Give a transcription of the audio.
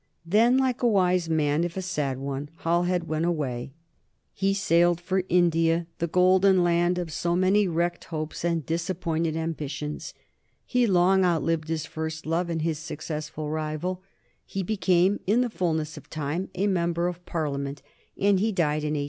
Then, like a wise man if a sad one, Halhed went away. He sailed for India, the golden land of so many wrecked hopes and disappointed ambitions; he long outlived his first love and his successful rival; he became in the fulness of time a member of Parliament, and he died in 1830.